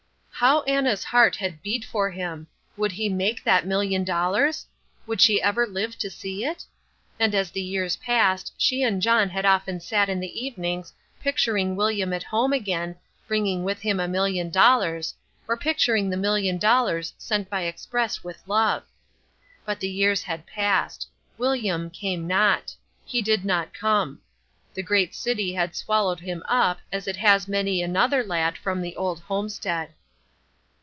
How Anna's heart had beat for him. Would he make that million dollars? Would she ever live to see it? And as the years passed she and John had often sat in the evenings picturing William at home again, bringing with him a million dollars, or picturing the million dollars sent by express with love. But the years had passed. William came not. He did not come. The great city had swallowed him up as it has many another lad from the old homestead.